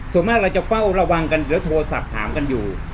ส่วนมากเราจะเฝ้าระวังกันเดี๋ยวโทรศัพท์ถามกันอยู่